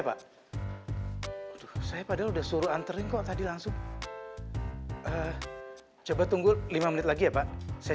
pak saya padahal udah suruh anterling kok tadi langsung coba tunggu lima menit lagi ya pak saya